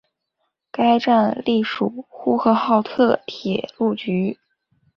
该站隶属呼和浩特铁路局。